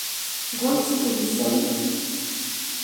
Guns y Vixen.